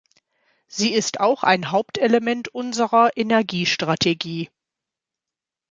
Sie ist auch ein Hauptelement unserer Energiestrategie.